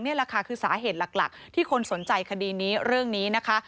นี่แหละค่ะคือสาเหตุหลักที่คนสนใจคดีนี้เรื่องนี้นะคะ